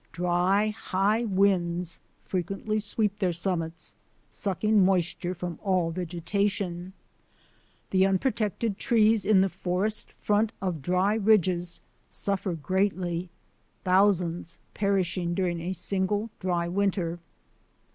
Dry, high winds frequently sweep their summits, suck ing moisture from all vegetation. The unpro tected trees in the forest front of dry ridges suffer greatly, thousands perishing during a single dry winter.